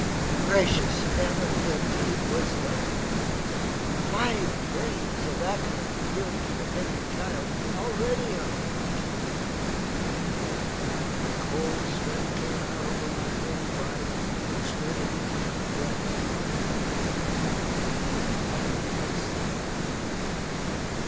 Gracious Heaven! the deed was done. Five grains of aconite given to the tender child, already on the verge of death! The cold sweat came out over my whole body, and stood in clammy drops upon my forehead. All was still.